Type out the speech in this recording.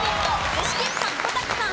具志堅さん小瀧さん